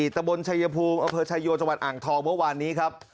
ตะบลชายภูมิอเผิศชายโยจอ่างทองเมื่อวานนี้ครับ